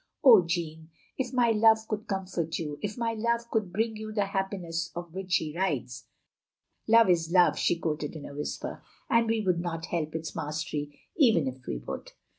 "Oh, Jeanne! If my love could comfort you — if my love could bring you the happiness of which he writes " "Love is Love," she quoted in a whisper, "and we could not help its mastery even if we would.